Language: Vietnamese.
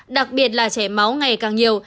đặc biệt là chảy máu ngày càng nhiều